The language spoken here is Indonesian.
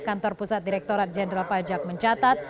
kantor pusat direkturat jenderal pajak mencatat